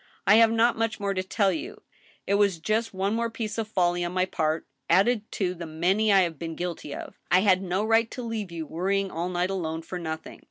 I have not much more to tell you ; it was just one more piece of folly on my part, added to the many I have been guilty of. I had no right to leave you worrying all night alone for nothing.